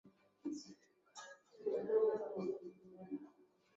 Beraz, bere lana ondoen egiten duenak gertu izango du garaipena.